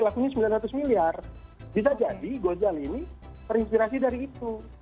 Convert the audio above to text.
lakunya sembilan ratus miliar bisa jadi gojal ini terinspirasi dari itu